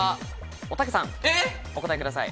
おたけさん、お答えください。